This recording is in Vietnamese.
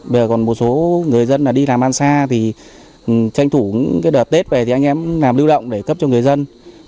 bây giờ còn một số người dân là đi làm ăn xa thì tranh thủ cái đợt tết về thì anh em làm lưu động để cấp cho người dân